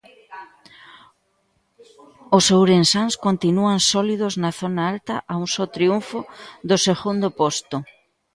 Os ourensáns continúan sólidos na zona alta a un só triunfo do segundo posto.